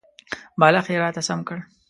بالښت یې راته سم کړ .